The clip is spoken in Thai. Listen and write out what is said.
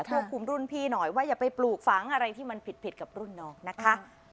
ควบคุมรุ่นพี่หน่อยว่าอย่าไปปลูกฝังอะไรที่มันผิดกับรุ่นน้องนะคะ